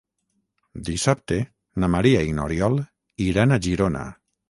Dissabte na Maria i n'Oriol iran a Girona.